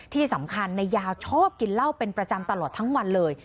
ที่สำคัญนายยาวชอบกินเหล้าเป็นประจำตลอดทั้งวันเลย